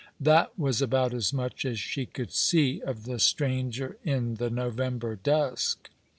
That was about as much as she could see of the stranger in the November dusk.